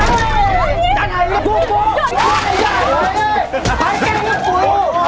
ไปแก้มลูกคู่